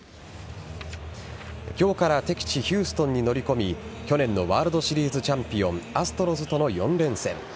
今日から敵地・ヒューストンに乗り込み去年のワールドシリーズチャンピオンアストロズとの４連戦。